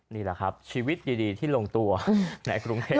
นี่แหละครับชีวิตดีที่ลงตัวในกรุงเทพ